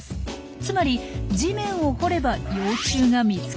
つまり地面を掘れば幼虫が見つかるはず。